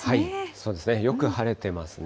そうですね、よく晴れてますね。